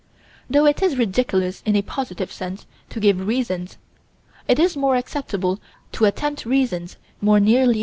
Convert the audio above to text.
Though it is ridiculous in a positive sense to give reasons, it is more acceptable to attempt reasons more nearly real than opposing reasons.